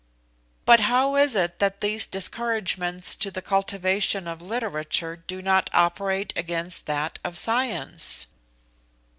"But how is it that these discouragements to the cultivation of literature do not operate against that of science?"